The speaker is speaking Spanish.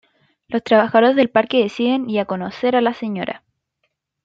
Los trabajadores del Parque deciden y a conocer a la Sra.